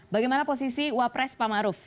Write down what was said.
bagaimana posisi wapres pak maruf